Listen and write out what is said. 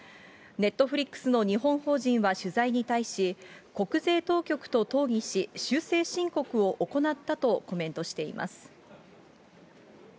ネットフリックスの日本法人は取材に対し、国税当局と討議し、修正申告を行ったとコメントしています。